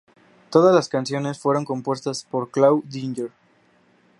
Todas las canciones fueron compuestas por Klaus Dinger.